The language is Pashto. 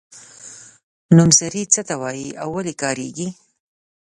نومځري څه ته وايي او ولې کاریږي.